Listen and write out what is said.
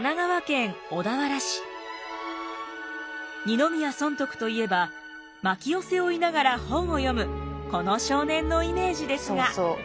二宮尊徳といえばまきを背負いながら本を読むこの少年のイメージですが。